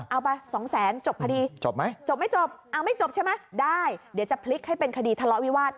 เอาไปสองแสนจบพอดีจบไหมจบไม่จบเอาไม่จบใช่ไหมได้เดี๋ยวจะพลิกให้เป็นคดีทะเลาะวิวาส